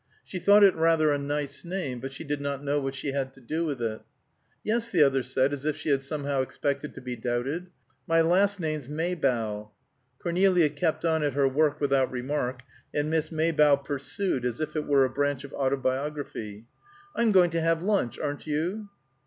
She thought it rather a nice name, but she did not know what she had to do with it. "Yes," the other said, as if she had somehow expected to be doubted. "My last name's Maybough." Cornelia kept on at her work without remark, and Miss Maybough pursued, as if it were a branch of autobiography, "I'm going to have lunch; aren't you?"